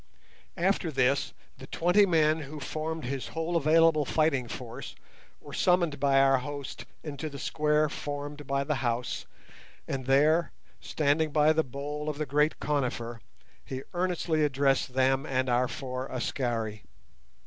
After this the twenty men who formed his whole available fighting force were summoned by our host into the square formed by the house, and there, standing by the bole of the great conifer, he earnestly addressed them and our four Askari.